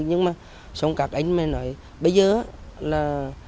nhưng mà xong các anh mới nói bây giờ là